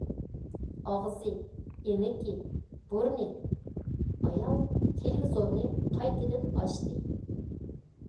ئاغزى، ئېڭىكى، بۇرنى... ئايال تېلېۋىزورنى قايتىدىن ئاچتى.